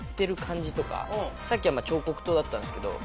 さっきは彫刻刀だったんですけど。